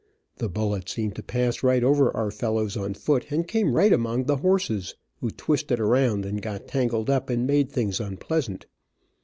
The bullets seemed to pass right over our fellows on foot, and came right among the horses, who twisted around and got tangled up, and made things unpleasant.